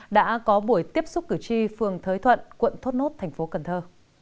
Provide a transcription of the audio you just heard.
đã có buổi tiếp xúc cử tri phường thới thuận quận thốt nốt thành phố cần thơ